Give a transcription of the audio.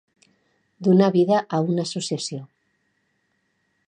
donar vida a una associació